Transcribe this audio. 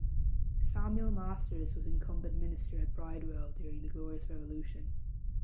Samuel Masters was incumbent minister at Bridewell during the Glorious Revolution.